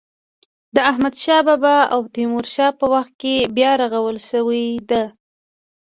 د احمد شا بابا او تیمور شاه په وخت کې بیا رغول شوې ده.